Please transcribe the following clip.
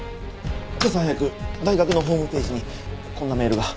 今朝早く大学のホームページにこんなメールが。